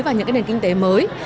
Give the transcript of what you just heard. và những nền kinh tế mới